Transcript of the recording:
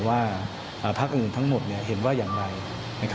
ว่าพักอื่นทั้งหมดเห็นว่าอย่างไร